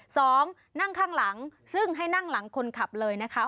สองนั่งข้างหลังซึ่งให้นั่งหลังคนขับเลยนะคะ